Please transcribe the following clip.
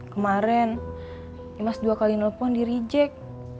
kemaren imas dua kali nelfon dirijek